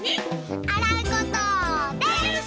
あらうこと。です！